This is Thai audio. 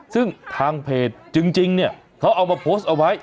ซึ่งทางเพจจริงเนี่ยเขาเอามาโพสต์เอาไว้